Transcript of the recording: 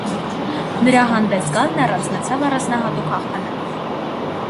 Նրա հանդես գալն առանձնացավ առանձնահատուկ հաղթանակով։